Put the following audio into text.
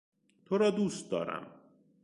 تورا دوست دارم.